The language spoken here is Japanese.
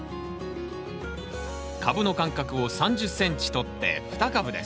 株の間隔を３０ｃｍとって２株です。